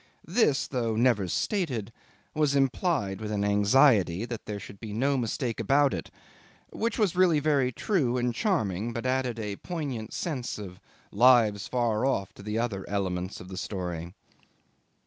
This, though never stated, was implied with an anxiety that there should be no mistake about it, which was really very true and charming, but added a poignant sense of lives far off to the other elements of the story.